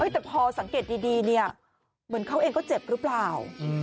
แต่พอสังเกตดีเนี่ยเหมือนเขาเองก็เจ็บหรือเปล่า